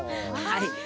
はい。